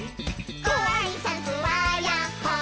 「ごあいさつはやっほー☆」